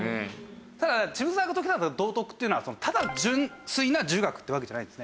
ただ渋沢が説きたかった道徳っていうのはただの純粋な儒学ってわけじゃないんですね。